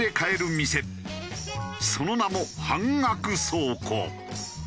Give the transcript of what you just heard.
その名も半額倉庫。